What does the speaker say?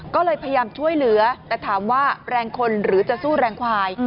ก็เลยพยายามช่วยเหลือแต่ถามว่าแรงคนหรือจะสู้แรงควาย